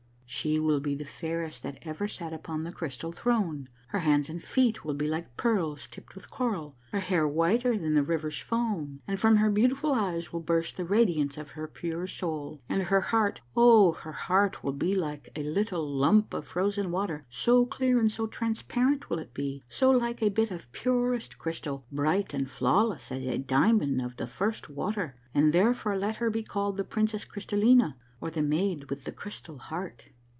'She will be the fairest that ever sat upon the crystal throne. Her hands and feet will be like pearls tipped with coral ; her hair whiter than the river's foam; and from her beautiful eyes will burst the radiance of her pure soul, and her heart, Oh, her heart will be like a little lump of frozen water so clear and so transparent will it be, so like a bit of purest crystal, bright and flawless as a diamond of the first water, and therefore let her be called the princess Crystallina, or the Maid with the Crystal Heart.